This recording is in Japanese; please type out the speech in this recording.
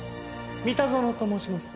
三田園と申します。